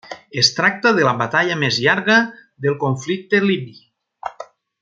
Es tracta de la batalla més llarga del conflicte libi.